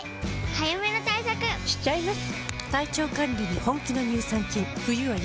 早めの対策しちゃいます。